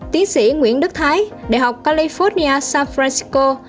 tiến sĩ nguyễn đức thái đại học california san francisco